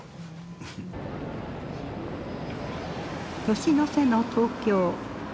年の瀬の東京。